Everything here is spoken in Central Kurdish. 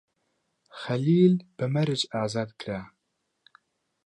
خەلیل بە مەرج ئازاد کرا.